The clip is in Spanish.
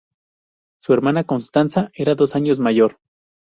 Su hermana Constanza era dos años mayor.